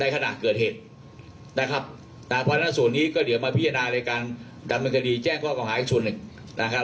พ่อยทั้งส่วนนี้ก็เดี๋ยวมาพิจารณาในการดำแบบกดีแจ้งเพื่อเป็นข้อความหายขึ้น